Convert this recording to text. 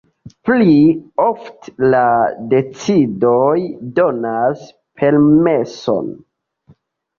Pli ofte la decidoj donas permeson.